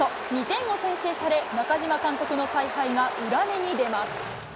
２点を先制され、中嶋監督の采配が裏目に出ます。